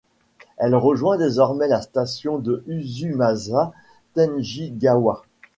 Elle rejoint désormais la station de Uzumasa-Tenjingawa.